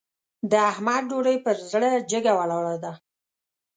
د احمد ډوډۍ پر زړه جګه ولاړه ده.